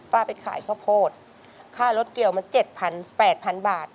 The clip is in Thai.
ไปขายข้าวโพดค่ารถเกี่ยวมัน๗๐๐๘๐๐๐บาท